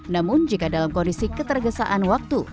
namun jika dalam kondisi ketergesaan waktu